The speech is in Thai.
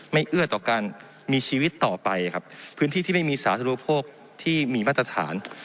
เอื้อต่อการมีชีวิตต่อไปครับพื้นที่ที่ไม่มีสาธุโภคที่มีมาตรฐาน